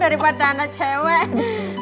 daripada anak cewek